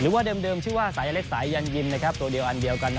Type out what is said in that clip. หรือว่าเดิมชื่อว่าสายเล็กยันยินทร์นะครับตัวเดียวอันเดียวกัน